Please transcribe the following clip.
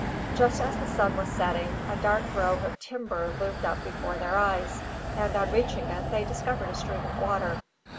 Just as the sun was setting a dark grove of timber loomed up before their eyes; and on reaching it they discovered a stream of water.